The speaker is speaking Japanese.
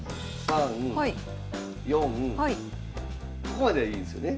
ここまではいいんですよね？